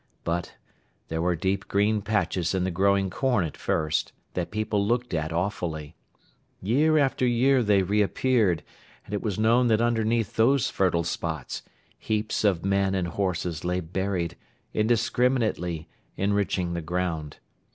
But, there were deep green patches in the growing corn at first, that people looked at awfully. Year after year they re appeared; and it was known that underneath those fertile spots, heaps of men and horses lay buried, indiscriminately, enriching the ground.